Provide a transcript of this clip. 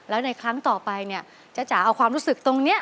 แล้วในครั้งต่อไปเนี่ยจ๊ะจ๋าเอาความรู้สึกตรงนี้